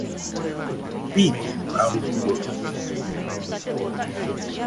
Beagle round the world.